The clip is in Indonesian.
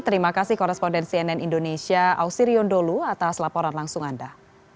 terima kasih koresponden cnn indonesia ausirion dholu atas laporan langsung anda